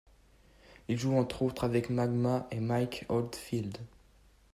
Il joue entre autres avec Magma et Mike Oldfield.